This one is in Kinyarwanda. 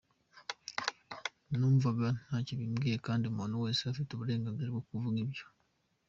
numvaga ntacyo bimbwiye kandi umuntu wese afite uburenganzira bwo kuvuga ibyo.